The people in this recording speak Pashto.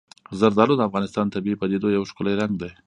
زردالو د افغانستان د طبیعي پدیدو یو ښکلی رنګ دی.